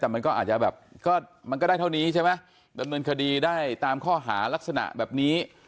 แต่มันก็อาจจะแบบก็มันก็ได้เท่านี้ใช่ไหมดำเนินคดีได้ตามข้อหารักษณะแบบนี้